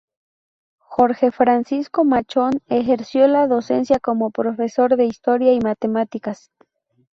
Jorge Francisco Machón ejerció la docencia como profesor de Historia y Matemáticas.